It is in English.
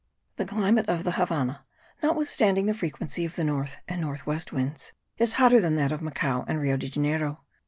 The climate of the Havannah, notwithstanding the frequency of the north and north west winds, is hotter than that of Macao and Rio Janeiro.